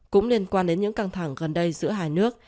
cũng liên quan đến những căng thẳng gần đây giữa hai nước